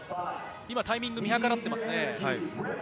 タイミングを見計らっています。